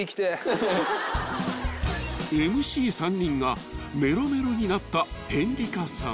［ＭＣ３人がめろめろになったヘンリカさん］